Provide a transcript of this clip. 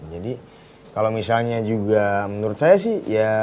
kalau misalnya juga menurut saya sih ya